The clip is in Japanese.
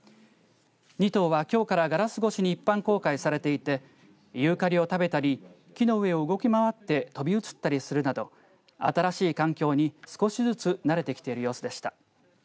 ２頭は、きょうからガラス越しに一般公開されていてユーカリを食べたり木の上を動き回って跳び移ったりするなど新しい環境に少しずつ慣れてきている様子でした。